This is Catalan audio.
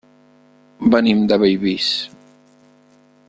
Venim de Bellvís.